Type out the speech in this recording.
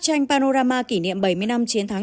tranh panorama kỷ niệm bảy mươi năm chiến thắng